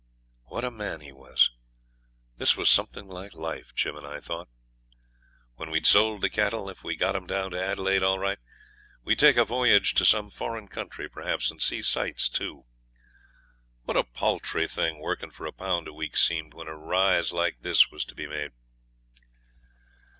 What a man he was! This was something like life, Jim and I thought. When we'd sold the cattle, if we got 'em down to Adelaide all right, we'd take a voyage to some foreign country, perhaps, and see sights too. What a paltry thing working for a pound a week seemed when a rise like this was to be made!